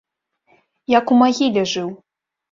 Як у магіле жыў.